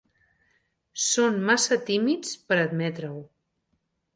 Són massa tímids per admetre-ho.